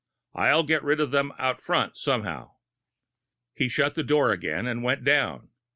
I'll get rid of them out front somehow." He shut the door again, and went down.